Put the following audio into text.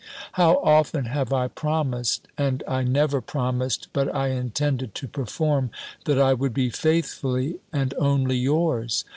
"How often have I promised (and I never promised but I intended to perform) that I would be faithfully and only yours!